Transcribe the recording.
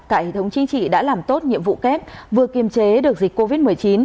cả hệ thống chính trị đã làm tốt nhiệm vụ kép vừa kiềm chế được dịch covid một mươi chín